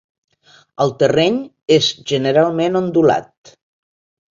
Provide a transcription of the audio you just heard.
El terreny és generalment ondulat.